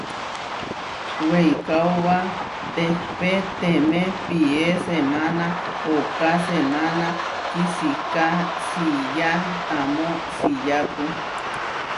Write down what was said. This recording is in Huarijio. Weikaóba tehpé temé pié semána ooká semána kisiká siyá tamó siyápu.